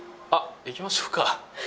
行きましょうか。